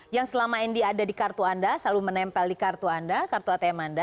yang selama ini ada di kartu anda selalu menempel di kartu anda kartu atm anda